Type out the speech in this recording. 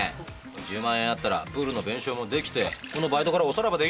１０万円あったらプールの弁償もできてこのバイトからおさらばできんだぞ。